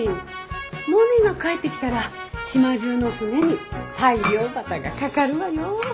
モネが帰ってきたら島中の船に大漁旗が掛かるわよ。